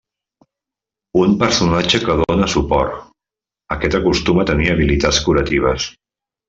Un personatge que dóna suport, aquest acostuma a tenir habilitats curatives.